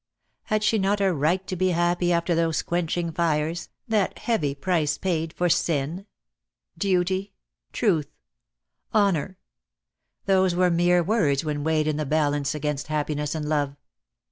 Had she not a right to be happy after those quenching fires, that heavy price paid for sin? Duty! Truth! Honour! Those were mere words when weighed in the balance against happiness and love.